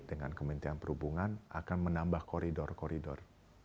dengan kementerian perhubungan akan menambah koridor koridor